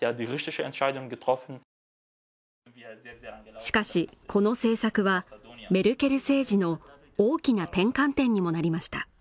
しかし、この政策はメルケル政権の大きな転換点にもなりました。